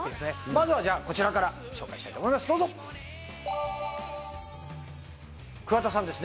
まずはこちらから紹介したいと思います。